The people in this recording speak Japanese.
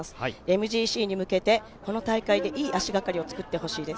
ＭＧＣに向けてこの大会でいい足がかりをつくってほしいです。